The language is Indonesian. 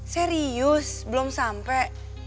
serius belum sampai